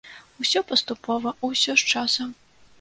Усё паступова, усё з часам.